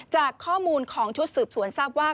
จากข้อมูลของชุดสืบสวนทราบว่า